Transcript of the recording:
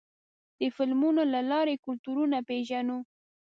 د فلمونو له لارې کلتورونه پېژنو.